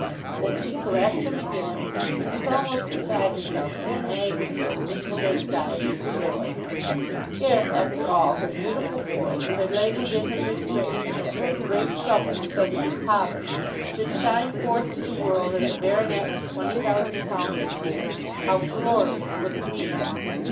Then she caressed him again, and was almost beside herself in an agony of mingled anxiety and joy. If, after all, her beautiful boy, who had lately been her disgrace and her great trouble because of his poverty, should shine forth to the world as a baronet with £20,000 a year, how glorious would it be!